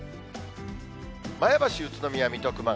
前橋、宇都宮、水戸、熊谷。